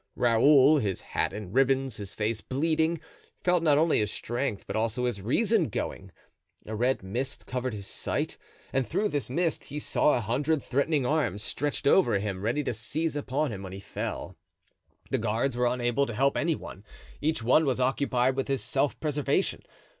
Raoul, his hat in ribbons, his face bleeding, felt not only his strength but also his reason going; a red mist covered his sight, and through this mist he saw a hundred threatening arms stretched over him, ready to seize upon him when he fell. The guards were unable to help any one—each one was occupied with his self preservation.